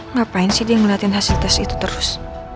ngapain sih dia ngeliatin hasil tes itu terus